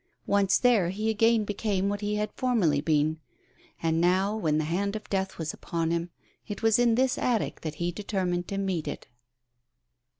Once there he again became what he had formerly been. And now, when the hand of death was upon him, it was in this attic that he deter mined to meet it.